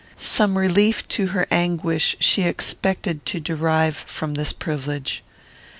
Some relief to her anguish she expected to derive from this privilege.